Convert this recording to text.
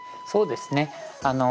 そうですね